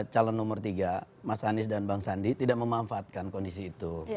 calon nomor tiga mas anies dan bang sandi tidak memanfaatkan kondisi itu